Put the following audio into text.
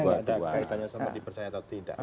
maksudnya nggak ada kaitannya sama dipercaya atau tidak